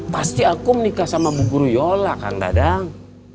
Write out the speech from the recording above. pasti akum nikah sama bu guru yola kang dadang